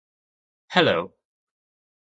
Hello